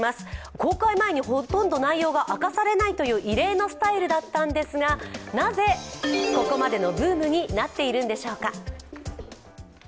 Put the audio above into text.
公開前にほとんど内容が明かされないという異例のスタイルだったんですが、なぜここまでのブームになっているんでしょうか。